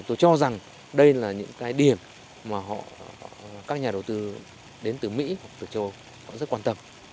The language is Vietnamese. tôi cho rằng đây là những cái điểm mà các nhà đầu tư đến từ mỹ hoặc từ châu âu rất quan tâm